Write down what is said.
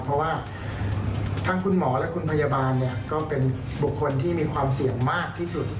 เพราะว่าทั้งคุณหมอและคุณพยาบาลเนี่ยก็เป็นบุคคลที่มีความเสี่ยงมากที่สุด